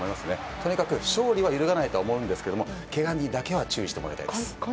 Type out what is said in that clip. とにかく勝利は揺るがないと思うんですがけがにだけは注意してもらいたいです。